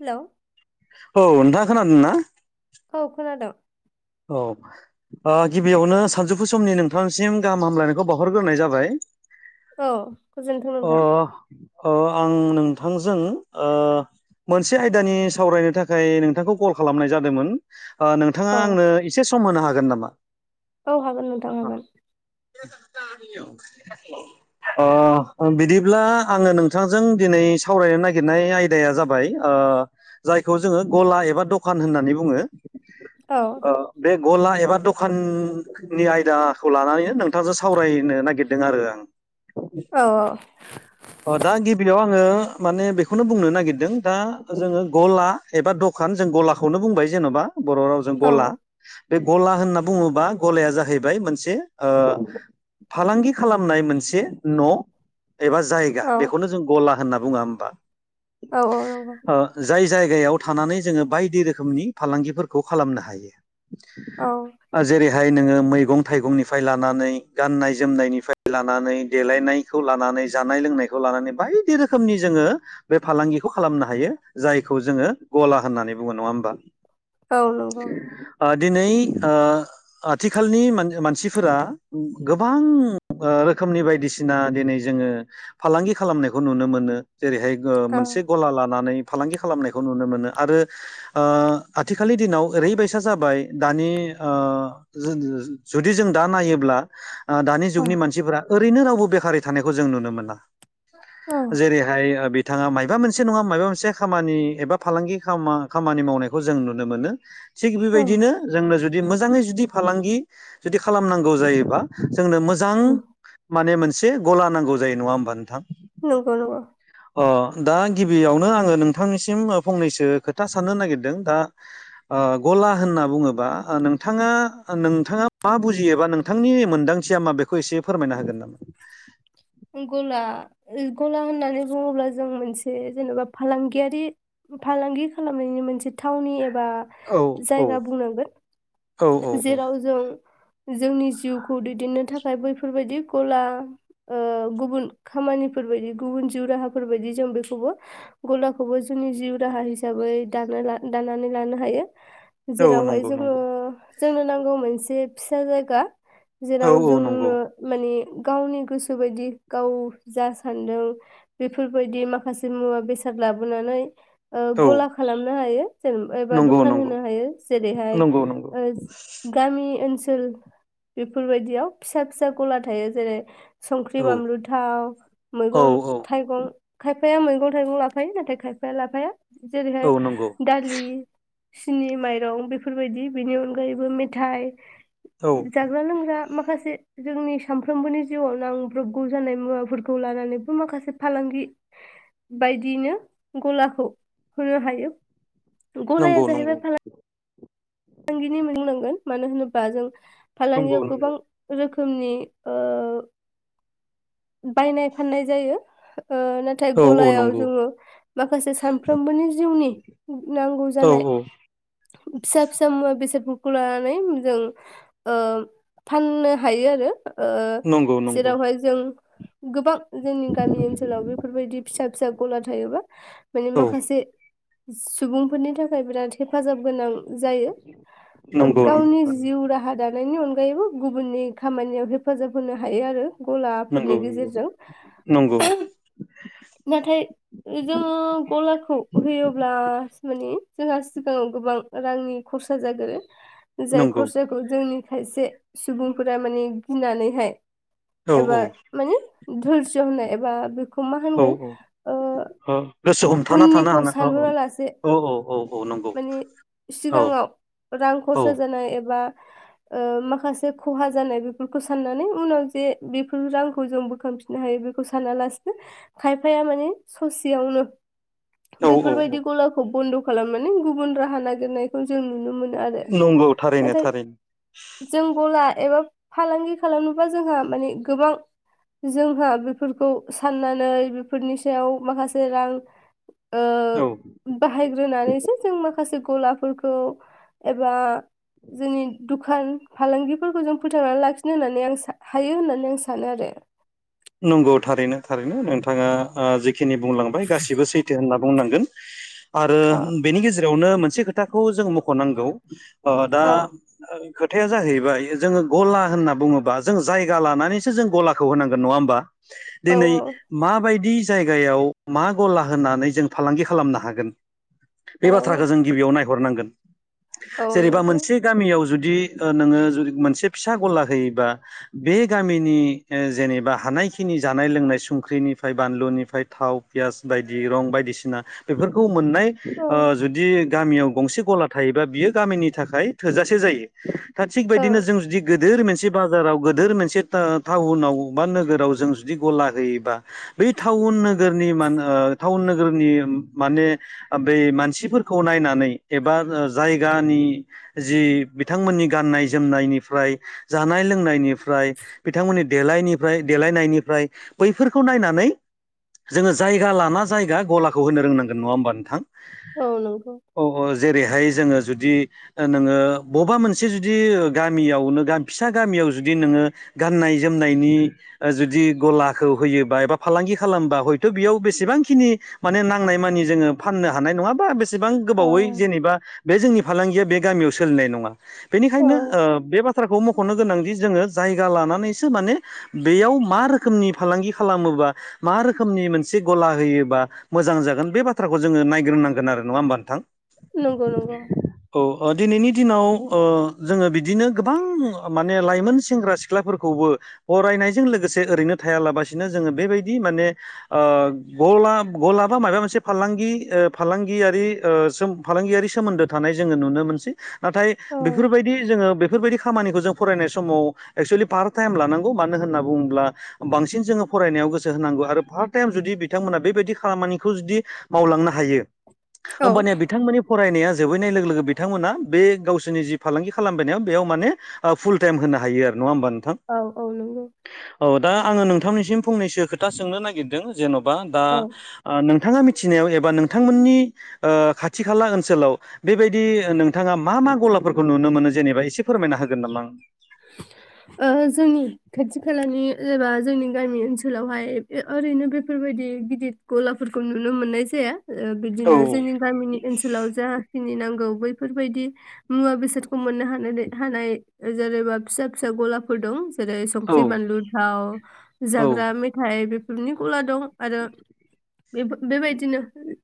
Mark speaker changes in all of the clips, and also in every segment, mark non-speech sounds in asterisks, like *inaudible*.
Speaker 1: Hello
Speaker 2: औ नोंथाङा खोनादोंना।
Speaker 1: औ खोनादों।
Speaker 2: औ गिबियावनो सानजौफु समनि नोंथांसिम गाहाम हामलायनायखौ बावहरग्रोनाय जाबाय।
Speaker 1: औ गोजोनथों
Speaker 2: अ
Speaker 1: नोंथां।
Speaker 2: अ आं नोंथांजों ओ। मोनसे आयदानि सावरायनो थाखाय नोंथांखौ कल खालामनाय जादोंमोन। ओ नोंथाङा
Speaker 1: औ
Speaker 2: आंनो एसे सम होनो हागोन नामा।
Speaker 1: औ हागोन नोंथां हागोन।
Speaker 2: *unintelligible* ओ बिदिब्ला आङो नोंथांजों दिनै सावरायनो नागिरनाय आयदाया जाबाय ओ जायखौ जोङो गला एबा दखान होननानै बुङो
Speaker 1: औ
Speaker 2: ओ बे गला एबा दखाननि आयदाखौ लानानैनो नोंथांजों सावरायनो नागिरदों आरो आं ।
Speaker 1: औ औ।
Speaker 2: औ दा गिबियाव आं ङो माने बेखौनो बुंनो नागिरदों दा जोङो गला एबा द'खान जों गलाखौनो बुंबाय जेन'बा बर' रावजों
Speaker 1: औ
Speaker 2: गला। बे गला होनना बुङोबा गलाया जाहैबाय मोनसे ओ फालांगि खालामनाय मोनसे न' एबा जा गा बेखौनो जों गला होनना बुङा होमबा।
Speaker 1: औ औ औ नंगौ।
Speaker 2: ओ जाय जायगायाव थानानै जोङो बायदि रोखोमनि फालांगिफोरखौ खालामनो हायो।
Speaker 1: औ
Speaker 2: आ जेरै हाय नोङो मैगं थाइगंनिफ्राय लानानै गाननाय जोमनायनिफ्राय लानानै देलायनायखौ लानानै जानाय लोंनाय लानानै बायदि रोखोमनि जोङो बे फालांगिखौ खालामनो हायो जायखौ जोङो गला होननानै होननानै बुङो नङा होमबा?
Speaker 1: नंगौ औ
Speaker 2: दिनै ओ आथिखालनि मानसिफोरा गोबां ओ रोखोमनि बायदिसिना दिनै जोङो फालांगि खालामनायखौ नुनो मोनो जेरैहाय मोनसे गला लानानै फालांगि खालामनायखौ नुनो मोनो आरो ओ आथिखालनि दिनाव ओरैबायसा जाबाय दानि ओ जुदि जों दा नायोब्ला ओ दानि
Speaker 1: औ
Speaker 2: जुगनि मानसिफोरा ओरैनो रावबो बेखारै थानायखौ जों नुनो मोना।
Speaker 1: औ
Speaker 2: जेरैहाय बिथाङा मायबा मोनसे नङा मायबा मोनसे खामानि एबा फालांगि खामानि मावनायखौ जों नुनो मोनो। थिग
Speaker 1: औ
Speaker 2: बेबायदिनो जोंनो जुदि मोजाङै जुदि फालांगि जुदि खालामनांगौ जायोबा जोंनो मोजां
Speaker 1: उम,
Speaker 2: माने मोनसे गला नांगौ जायो नङा होमबा नोंथां।
Speaker 1: नंगौ नंगौ
Speaker 2: अ दा गिबियावनो आङो नोंथांनिसिम फंनैसो खोथा साननो नागिरदों दा ओ गला होनना बुङोबा नोंथाङा नोंथाङा मा बुजियोबा नोंथांनि मोनदांथिया मा बेखौ एसे फोरमायना होगोन नामा?
Speaker 1: गला गला होननानै बुङोब्ला जों मोनसे जेनेबा फालांगियारि फालांगि खालामनायनि मोनसे थावनि एबा
Speaker 2: औ औ
Speaker 1: जायगा बुंनांगोन
Speaker 2: औ औ औ
Speaker 1: जेराव जों जोंनि जिउखौ दैदेननो थाखाय बैफोरबायदि गला ओ गुबुन खामानिफोरबायदि गुबुन जिउ राहाफोर बायदि जों बेखौबो गलाखौबो जोंनि जिउ राहा हिसाबै दाना ला दानानै लानो हायो
Speaker 2: औ
Speaker 1: जेरावहाय
Speaker 2: नंगौ
Speaker 1: जोङो
Speaker 2: नंगौ
Speaker 1: जोंनो नांगौ मोनसे फिसा जायगा
Speaker 2: औ
Speaker 1: जेराव
Speaker 2: औ नंगौ
Speaker 1: जोंनो माने गावनि गोसो बेफोर बायदि गाव जा सानदों बेफोरबायदि माखासे मुवा बेसाद लाबोनानै ओ
Speaker 2: औ
Speaker 1: गला खालामनो हायो जेनब एबा
Speaker 2: नंगौ
Speaker 1: दखान
Speaker 2: नंगौ
Speaker 1: होनो हायो जेरैहाय
Speaker 2: नंगौ नंगौ
Speaker 1: ओ गामि ओनसोल बेफोरबायदियाव फिसा फिसा गला थायो जेरै संख्रि,
Speaker 2: औ
Speaker 1: बानलु, थाव,
Speaker 2: औ
Speaker 1: मैगं
Speaker 2: औ
Speaker 1: थाइगं खाय फाया मैगं थाइगं लाफायो नाथाय खायफाया लाफाया जेरैहाय
Speaker 2: औ नंगौ
Speaker 1: दालि सिनि माइरं बेफोरबायदि बेनि अनगायैबो मेथाइ
Speaker 2: औ
Speaker 1: जाग्रा लोंग्रा माखासे जोंनि सानफ्रोमबोनि जिउआव नांब्रबगौ जानाय मुवाफोरखौ लानानैबो माखासे फालांगि बायदियैनो गलाखौ होनो हायो। गलाया
Speaker 2: नंगौ नंगौ
Speaker 1: जाहैबाय फालांग गिनि मुं बुंनांगोन मानो होनोबा जों
Speaker 2: नंगौ
Speaker 1: फालांगियाव गोबां
Speaker 2: नंगौ
Speaker 1: रोखो खोमनि ओ बायनाय फाननाय जायो। ओ नाथाय
Speaker 2: औ औ
Speaker 1: गलायाव
Speaker 2: नंगौ
Speaker 1: जोङो माखासे सानफ्रोमबोनि जिउनि नांगौ
Speaker 2: औ
Speaker 1: जानाय
Speaker 2: औ
Speaker 1: फिसा फि मुवा बेसादफोरखौ लानानै जों ओ फाननो हायो आरो। ओ
Speaker 2: नंगौ नंगौ
Speaker 1: जेरावहाय जों गोबां जोंनि गामि ओनसोलाव बेफोरबायदि फिसा फिसा गला थायोबा माने
Speaker 2: औ
Speaker 1: माखासे सुबुंफोरनि थाखाय बिराद हेफाजाब गोनां जायो।
Speaker 2: नंगौ नंगौ
Speaker 1: गावनि जिउ राहा दानायनि अन गायैबो गुबुननि खामानियाव हेफाजाब होनो हायो आरो
Speaker 2: नंगौ
Speaker 1: गलाफोरनि गेजेरजों।
Speaker 2: नंगौ
Speaker 1: नाथाय जोङो गलाखौ होयोब्ला स माने जोंहा सिगाङाव गोबां रांनि खरसा जागोरो जाय
Speaker 2: नंगौ नंगौ
Speaker 1: खरसाखौ जोंनि खायसे सुबुंफोरा माने गिनानैहाय
Speaker 2: औ
Speaker 1: एबा
Speaker 2: औ
Speaker 1: माने धुलस होननाय एबा बे खौ मा
Speaker 2: औ
Speaker 1: होनगोन ओ
Speaker 2: ओ गोसो हमथाना थानो
Speaker 1: उननिखौ
Speaker 2: हानाय औ औ
Speaker 1: सानहरालासे
Speaker 2: औ औ औ औ नंगौ
Speaker 1: माने
Speaker 2: औ
Speaker 1: सिगाङाव रां
Speaker 2: औ
Speaker 1: खरसा जानाय एबा
Speaker 2: *inaudible*
Speaker 1: ओ माखासे खहा जानाय बेफोरखौ साननानै उनाव जे बेफोर रांखौ जों बोखांफिननो हायो। खौ सानालासिनो खायफाया माने ससेयावनो
Speaker 2: औ
Speaker 1: बैफोरबायदि
Speaker 2: औ
Speaker 1: गलाखौ बन्द' खालामनानै गुबुन राहा नागिरनायखौ जों नुनो मोनो आरो।
Speaker 2: नंगौ थारैनो
Speaker 1: नाथाय
Speaker 2: थारैनो
Speaker 1: जोंबोला एबा फालांगि खालामनोबा जोंहा माने गोबां जोंहा बेफोरखौ साननानै बेफोरनि सायाव माखासे रां ओ
Speaker 2: औ
Speaker 1: बाहायग्रोनानैसो जों माखासे गलाफोरखौ एबा जोंनि दुुख खान फालांगिफोरखौ जों फोथांनानै लाखिनो होननानै आं सा हायो होननानै आं सानो आरो।
Speaker 2: नंगौ थारैनो थारैनो नोंथाङा ओ जिखिनि बुंलांबाय गासिबो सैथो होनना बुंनांगोन। आरो बेनि गेजेरावनो मोनसे खोथाखौ जों मख'नांगौ अह दा
Speaker 1: औ
Speaker 2: खोथाया जाहैबाय जोङो गला होनना बुङोबा जों जायगा लानानैसो जों गलाखौ होनांगौ। नङा होमबा
Speaker 1: औ
Speaker 2: दिनै माबायदि जायगायाव मा गला होननानै जों फालांगि खालामनो हागोन बे बाथ्राखौ
Speaker 1: औ
Speaker 2: जों गिबियाव नायहरनांगोन।
Speaker 1: औ
Speaker 2: जेनेबा
Speaker 1: नंगौ
Speaker 2: मोनसे गामियाव जुद दि नोङो जु मोनसे फिसा गला होयोबा बे गामिनि ओ जेनेबा बा हानायखिनि जानाय लोंनाय संख्रिनिफ्राय बानलुनिफ्राय थाव, पियास बायदि रं बायदिसिना बेफोरखौ मोननाय
Speaker 1: औ
Speaker 2: ओ जुदि गामियाव गंसे गला थायोबा बियो गामिनि थाखाय थोजासे जायो। था थिग
Speaker 1: औ
Speaker 2: बदिनो जों जुदि गोदोर मोनसे बाजाराव गोदोर मोनसे टाउनाव बा नोगोराव जों जुदि गला होयोबा बै टाउन नोगोरनि मान ओ टाउन नोगोरनि माने बे मानसिफोरखौ नायनानै एबा जायगानि जि बिथांमोननि गाननाय जोमनायनिफ्राय जानाय लोंनायनिफ्राय बिथांमोननि देलायनि फ्राय देलायनायनिफ्राय बैफोरखौ नायनानै। जोङो जायगा लाना जायगा गलाखौ होनो रोंनांगोन नङा होमबा नोंथां?
Speaker 1: औ नंगौ
Speaker 2: अह औ जेरैहाय। जोङो जुदि नोङो बबा मोनसे जुदि गामियावनो फिसा गामियाव जुदि नोङो। गाननाय जोमनायनि ओ-जुदि गलाखौ होयोबा एबा फालांगि खालामबा हयथ' बेयाव बेसेबांखिनि माने नांनाय मानि जोङो फाननो हानाय नङा बा बे सेबां
Speaker 1: औ
Speaker 2: गोबावै जेनेबा बे जोंनि फालांगिया बे गामियाव सोलिनाय नङा बेनिखायनो
Speaker 1: औ
Speaker 2: ओ-बे बाथ्राखौ मख'नो गोनांदि जोङो जायगा लानानैसो माने- बेयाव मा रोखोमनि फालांगि खालामोबा मा रोखोमनि मोनसे गला होयोबा मोजां जा गोन बे बाथ्राखौ जोङो नायग्रोनांगोन आरो नङा होमबा नोंथां?
Speaker 1: नंगौ नंगौ
Speaker 2: औ दिनैनि दिनाव ओ-जोङो बिदिनो गोबां माने लाइमोन सेंग्रा सिख्लाफोरखौबो। फरायनायजों लोगोसे ओरैनो थायालाबसिनो जोङो बेबायदि माने ओ-गला गला मा माबा मोनसे फालांगि ओ-फालांगियारि ओ- फालांगियारि सोमोन्दो थानाय जोङो नुनो मोनसै। नाथाय
Speaker 1: औ
Speaker 2: बेफोरबायदि जोङो बेफोरबायदि खामानिखौ जों फरायनाय समाव एक्सुेलि पारट टाइम लानांगौ। मानो होनना बुङोब्ला बांसिन जोङो फरायनायाव गोसो होनांगौ आरो फार्स्ट टाइम जुदि बिथांमोना बेबायदि खालाम। मानिखौ जुदि मावलांनो हायो
Speaker 1: औ
Speaker 2: होमबानिया बिथांमोननि फरायनाया। जोबहैनाय लोगो लोगो बिथांमोना बे गावसोरनि जि फालांगि खालामबायनायाव बेयाव माने ओ-फुल टाइम होनो हायो आरो नङा होमबा नों
Speaker 1: औ औ नोंगौ।
Speaker 2: अह दा आङो नोंथांनिसिम फंनैसो खोथा सोंनो नागिरदों जेन'बा दा
Speaker 1: औ
Speaker 2: नों थाङा मिथिनायाव एबा नोंथांमोननि ओ- खाथि खाला ओनसोलाव बेबायदि ओ-नोंथाङा मा? मा गलाफोरखौ नुनो मोनो जेनेबा एसे फोरमायना होगोन नामा आं?
Speaker 1: ओ-जोंनि खाथि खालानि एबा जोंनि गामि ओनसोलावहाय ओ-ओरैनो बेफोरब बेफोरबायदि गिदिर गलाफोरखौ नुनो मोननाय जाया।
Speaker 2: आं औ
Speaker 1: ओ-बिदिनो जोंनि गामिनि ओनसोलाव जाखिनि नांगौ। बैफोरबायदि मुवा बेसादखौ मोननो हानानाय हानाय। जेनैबा फिसा फिसा गलाफोर दं। जेरै संख्रि बानलु थाव जाग्रा मेथाइ। दुबनि गला दं आरो बेफोर-बेबायदिनो।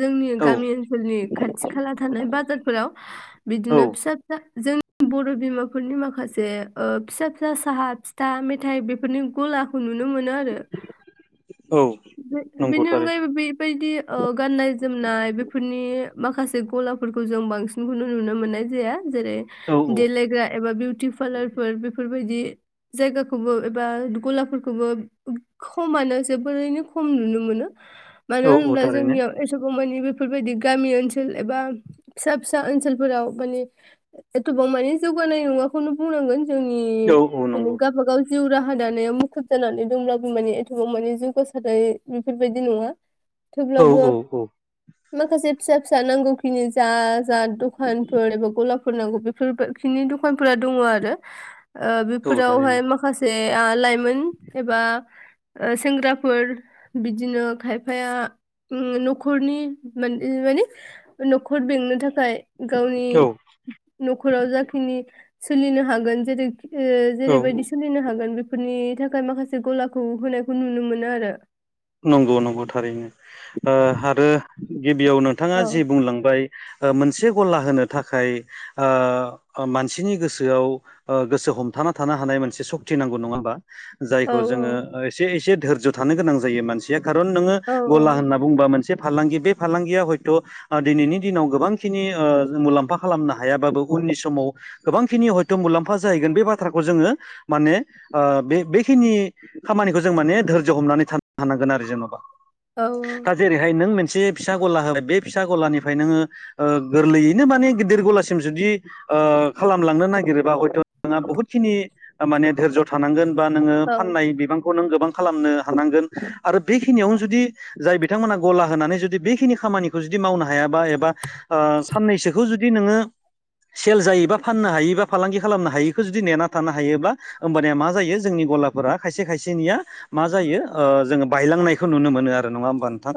Speaker 1: जोंनि
Speaker 2: औ
Speaker 1: गामि ओनसोलनि खाथि खाला थानाय बाजारफोराव
Speaker 2: औ
Speaker 1: बिदिनो फिसा फिसा जोंनि। बर' बिमाफोरनि माखासे। से ओ-फिसा फिसा साहा फिथा मेथाइ बेफोरनि गलाखौ नुनो। नुनो मोनो आरो।
Speaker 2: औ नंगौ
Speaker 1: बे-बेनि
Speaker 2: थारै
Speaker 1: अनगायैबो बेबायदि ओ-गाननाय जोमनाय बेफोरनि माखासे गला फोरखौ जों बांसिनखौनो नुनो मोननाय जाया। जेरै
Speaker 2: औ
Speaker 1: देलायग्रा एबा बिउटि पार्लार फोर बेफोरबाय दि जायगाखौबो एबा गलाफोरखौबो खमानो जोबोरैनो खम नुनो मोनो मानो
Speaker 2: औ औ
Speaker 1: होनब्ला
Speaker 2: थारैनो
Speaker 1: जोंनियाव एसेबांमानि बेफोरबायदि गामि ओनसोल एबा फिसा -फिसा ओनसोलफोराव माने एथबां माने जौगानाय नङाखौनो बुंनांगोन जोंनि
Speaker 2: औ औ
Speaker 1: माने
Speaker 2: नंगौ
Speaker 1: गावबा गाव जिउ राहा दानायाव मुखुब जानानै दंब्लाबो माने एथबां माने जौगासा थाखाय बेफोरबायदि नङा
Speaker 2: औ
Speaker 1: थेवब्लाबो
Speaker 2: औ औ
Speaker 1: माखासे फिसा - फिसा नांगौ खिनि जा-जा दखानफोर एबा गला फोर नांगौ बेफोर खिनि दखानफोरा दङ आरो ओ-
Speaker 2: औ थारैनो
Speaker 1: बेफोरावहाय माखासे ओ आ लाइमोन एबा ओ-सेंग्रा फोर बिदिनो खायफाया नो न'खरनि माने - माने न'खर बेंनो थाख -खाय गावनि
Speaker 2: औ
Speaker 1: न'खराव जाखिनि सोलिनो हागोन जेरै ओ-
Speaker 2: औ
Speaker 1: जेरैबायदि सोलिनो हागोन बेफोरनि थाखाय माखासे गलाखौ होनायखौ नुनो मोनो । मोनो आरो।
Speaker 2: नंगौ नंगौ थारैनो ओ आरो गिबियाव नोंथाङा
Speaker 1: औ
Speaker 2: जि बुंलांबाय ओ मोनसे गला होनो थाखाय ओ मानसिनि गोसोआव ओ गोसो हमथा थानो हानाय मोनसे सक्ति नांगौ नङा होमबा?
Speaker 1: औ
Speaker 2: जायखौ जोङो एसे - एसे धोरज्य थानो गोनां जायो मानसिया। खारन नोङो
Speaker 1: औ
Speaker 2: गला होनना बुंबा मोनसे फालांगि बे फालांगिया हयथ' दिनैनि दिनाव गोबांखिनि ओ मुलाम्फा खालामनो हायाबाबो नि समाव गोबांखिनि हयथ' मुलाम्फा जाहैगोन बे बाथ्राखौ जोङो माने ओ बे-बे खिनि नि खामानिखौ जों माने धोरज्य हमनानै थान हानांगोन आरो जेन'बा
Speaker 1: औ
Speaker 2: दा जेरैहाय नों मोन से फिसा गला होबाय बे फिसा गलानिफ्राय नोङो ओ गोरलैयैनो माने गिदिर गलासिम जुदि ओ खालामलांनो नागिरोबा हयथ' नोंहा बहुदखिनि माने धोरज्य थानांगोन बा नोङो
Speaker 1: औ
Speaker 2: फाननाय बिबां नों गोबां खालामनो हानांगोन आरो बेखिनियावनो जुदि जाय बे बिथांमोना गला होनानै जुदि बेखिनि खामानिखौ जुदि मावनो हायाबा एबा ओ साननैसोखौ जुदि नोङो सेल जायोबा फाननो हायि बा फालांगि खालामनो हायिखौ जुदि नेना थानो हायोब्ला होमबानिया मा जायो जोंनि गलाफोरा खायसे खायसेनिया मा जायो ओ जोङो बायलांनायखौ नुनो मोनो आरो। नङा होमबा नोंथां?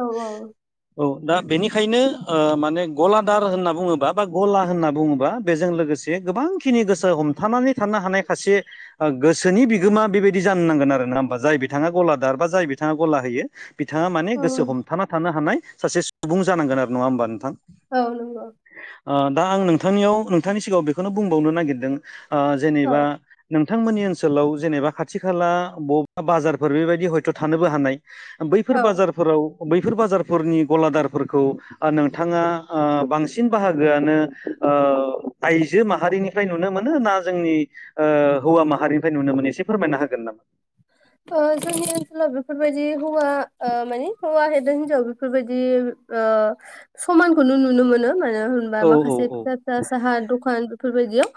Speaker 2: औ दा बिनिखायनो ओ माने गलादार होनना बुङोबा बा गला होनना बुङोबा बेजों लोगोस से गोबांखिनि गोसो हमथानानै थानो हानाय खासे गोसोनि बिगोमा बेबायदि जानो नांगोन आरो। ना होमबा जाय बिथाङा गलादार बा जाय बिथाङा गला होयो बिथाङा
Speaker 1: औ
Speaker 2: माने गोसो हमथाना थानो हानाय सासे सुबुं जानांगोन आरो।‌ नङा होमबा नोंथां?
Speaker 1: औ नंगौ।
Speaker 2: ओ दा आं नोंथांनियाव नोंथांनि सिगाङाव बेखौनो बुंबावनो नागिरदों ओ जेनेबा
Speaker 1: औ
Speaker 2: नों थांमोननि ओनसोलाव जेनेबा खाथि खाला बबेबा बाजारफोर बेबायदि हयथ' थानोबो हानाय। बैफोर
Speaker 1: औ
Speaker 2: बाजारफोराव बैफोर बाजारफोरनि गलादारफोरखौ ओ नोंथाङा ओ बांसिन बाहागोआनो ओ आइजो माहारिनिफ्राय नुनो मोनो ना जोंनि ओ हौवा माहारिनिफ्राय नुनो मोनो एसे एसे फोरमायनो होगोन नामा?
Speaker 1: ओ जोंनि ओनसोलाव बेफोरबायदि हौवा ओ माने हौवा हेदों हिनजाव बेफोरबायदि ओ समानखौनो नुनो मोनो। मानो होनबा
Speaker 2: औ औ
Speaker 1: माखासे फिसा - फिसा साहा दखान बेफोरबायदियाव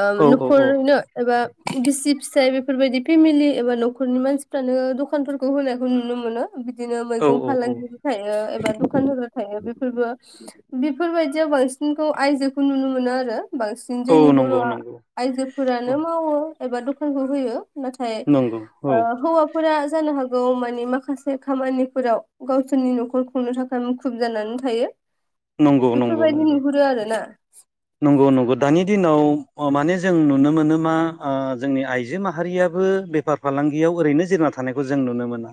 Speaker 1: ओ
Speaker 2: औ औ
Speaker 1: न'खरनो एबा बिसि फिसाय बेफोरबायदि फेमिलि एबा न'ख नखरनि मानसिफ्रानो दखानफोरखौ होनायखौ नुनो मोनो। बिदिनो मैगं
Speaker 2: औ औ औ
Speaker 1: फालांगिबो थायो एबा दखान होग्रा थायो बेफोरबो बेफोरबायदि बिदियाव बांसिनखौ आयजोखौ नुनो मोनो आरो। बांसिन जोंनि
Speaker 2: औ
Speaker 1: बर'
Speaker 2: नंगौ नंगौ
Speaker 1: आइजोफोरानो
Speaker 2: औ
Speaker 1: मावो एबा दखानखौ होयो। नाथाय
Speaker 2: नंगौ औ
Speaker 1: ओ हौवाफोरा जानो हागौ मानि माखासे खामानिफोराव गावसोरनि न'खर खुंनो थाखाय मुखुब जानानै थायो।
Speaker 2: नंगौ नंगौ
Speaker 1: बेफोरबायदि
Speaker 2: नंगौ
Speaker 1: नुहुरो आरोना।
Speaker 2: नंगौ दानि दिनाव माने जों नुनो मोनो मा ओ जोंनि आइजो माहारियाबो बेफार फालांगियाव ओरैनो जेन ना थानायखौ जों नुनो मोना।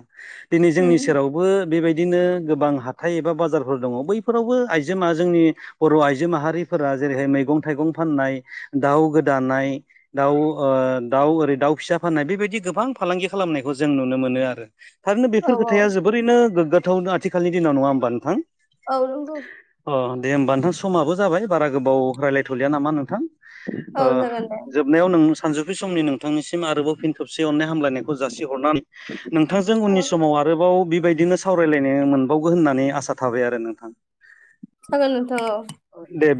Speaker 2: दिनै जोंनि
Speaker 1: उम
Speaker 2: सेरावबो बेबायदिनो गोबां हाथाइ एबा बाजारफोर दङ बैफोरावबो आइजोमा जोंनि बर' आइजो माहारिफोरा जेरैहाय मैगं थाइगं फाननाय, दाउ गोदानाय दाउ ओ दाउ ओरै दाउ फिसा फाननाय बेबायदि गोबां फालांगि खालामनायखौ जों नुनो मोनो आरो। थारैनो
Speaker 1: औ
Speaker 2: बेफोर
Speaker 1: औ
Speaker 2: खोथाया जोबोरैनो गोग्गाथाव आथिखालनि दिनाव। नङा होनोमबा नोंथां?
Speaker 1: औ नंगौ।
Speaker 2: अ दे होमबा नोंथां समाबो जाबाय बारा गोबाव रायज्लायथ'लिया नामा नोंथां? ओ
Speaker 1: औ जागोन दे
Speaker 2: जोबनायाव नों सानजौफु समनि नोंथांनिसिम आरोबाव फिन खोबसे अननाय हामलायनायखौ जासिहरनानै नोंथांजों
Speaker 1: औ
Speaker 2: उननि समाव आरोबाव बेबायदिनो सावरायलायनो मोनबावगोन होननानै आसा थाबाय आरो नोंथां।
Speaker 1: जागोन नोंथां औ।
Speaker 2: दे बि